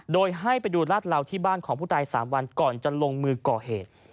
โดยให้ไปดูลาดเหลาที่บ้านของผู้ตาย๓วันก่อนจะลงมือก่อเหตุ